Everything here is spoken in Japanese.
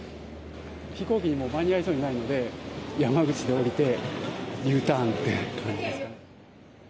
飛行機にも間に合いそうにないんで、山口で降りて、Ｕターンという感じですかね。